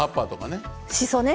しそね。